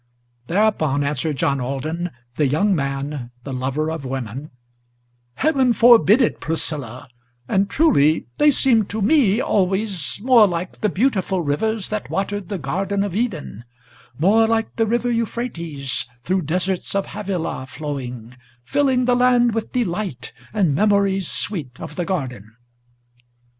Thereupon answered John Alden, the young man, the lover of women: "Heaven forbid it, Priscilla; and truly they seem to me always More like the beautiful rivers that watered the garden of Eden, More like the river Euphrates, through deserts of Havilah flowing, Filling the land with delight, and memories sweet of the garden!"